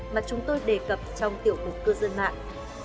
mà chúng tôi đề cập trong tiểu mục cư dân mạng